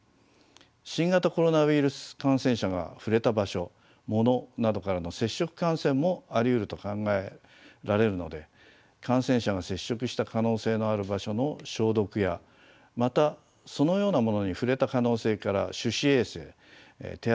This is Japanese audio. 新型コロナウイルス感染者が触れた場所物などからの接触感染もありうると考えられるので感染者が接触した可能性のある場所の消毒やまたそのようなものに触れた可能性から手指衛生手洗いとか消毒これらをすることは